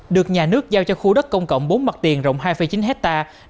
được nhà nước giao cho khu đất công cộng bốn mặt tiền rộng hai chín hectare